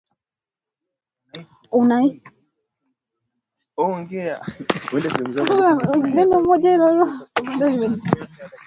"Unaishi wapi?"